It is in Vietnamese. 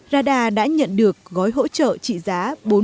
radar đã nhận được gói hỗ trợ trị giá